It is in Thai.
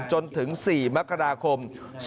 จนถึง๔มกราคม